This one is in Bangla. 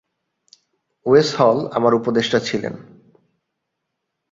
ওয়েস হল আমার উপদেষ্টা ছিলেন।